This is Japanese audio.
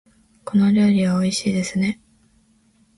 この料理はおいしいですね。